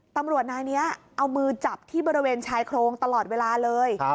ตำรวจนายนี้เอามือจับที่บริเวณชายโครงตลอดเวลาเลย